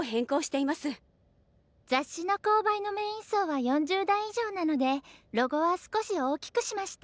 雑誌の購買のメイン層は４０代以上なのでロゴは少し大きくしました。